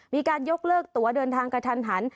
มีการยกเลิกตัวเดินทางกระทันหัน